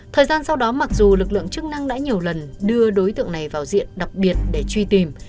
thời gian sau đó mặc dù lực lượng chức năng đã nhiều lần đưa đối tượng này vào diện đặc biệt để truy tìm